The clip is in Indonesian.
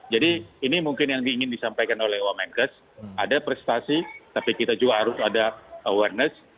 jadi ini mungkin yang ingin disampaikan oleh wmges ada prestasi tapi kita juga harus ada awareness